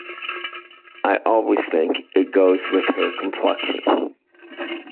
I always think it goes with her complexion.